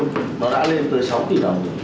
nó đã lên tới sáu tỷ đồng